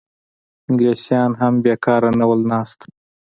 انګلیسیان هم بېکاره نه وو ناست.